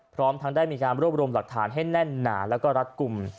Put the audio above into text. พร้อมทั้งได้มีการรวบรวมหลักฐานให้แน่นหนาแล้วก็รัดกลุ่ม